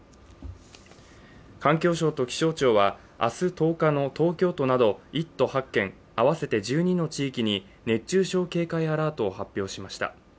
環境省と気象庁は、明日１０日の東京都など１都８県あわせて１２の地域に熱中症警戒アラートを発表しました。